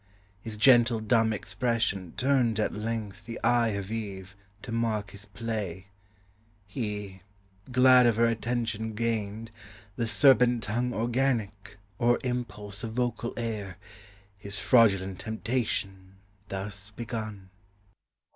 His gentle dumb expression turned at length The eye of Eve, to mark his play; he, glad Of her attention gained, with serpent tongue Organic, or impulse of vocal air, His fraudulent temptation thus began.